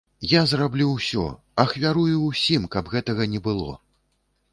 Я зраблю ўсё, ахвярую ўсім, каб гэтага не было.